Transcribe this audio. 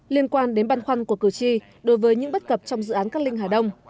liên quan đến băn khoăn của cử tri đối với những bất cập trong dự án cát linh hà đông